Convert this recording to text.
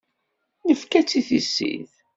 Nefka-tt i tissit.